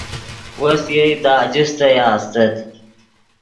وس یئے دے آجستایا استت